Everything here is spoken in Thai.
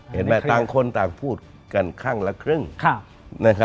เห็นไหมต่างคนต่างพูดกันครั้งละครึ่ง